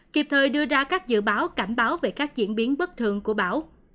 kịp thời đưa ra các dự báo cảnh báo về các diễn biến bất thường của bão